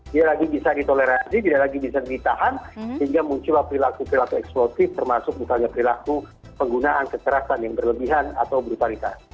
dia lagi bisa ditolerasi dia lagi bisa ditahan hingga muncul perilaku perilaku eksplosif termasuk misalnya perilaku penggunaan kecerasan yang berlebihan atau brutalitas